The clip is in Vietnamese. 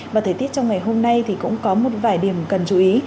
và thời tiết trong ngày hôm nay thì cũng có một vài điểm cần chú ý